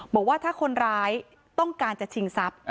บอกว่าถ้าคนร้ายต้องการจะชิงทรัพย์